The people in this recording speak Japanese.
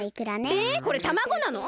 えっこれたまごなの！？